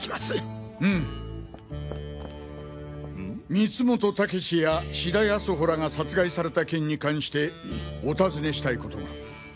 光本猛志や志田康保らが殺害された件に関してお尋ねしたい事が。